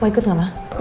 mau ikut gak ma